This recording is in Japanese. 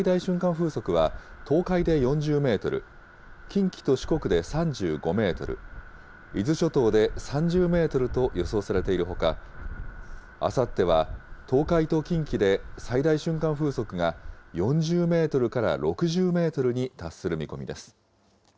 風速は、東海で４０メートル、近畿と四国で３５メートル、伊豆諸島で３０メートルと予想されているほか、あさっては東海と近畿で最大瞬間風速が４０メートルから６０メートルに達する見込みです。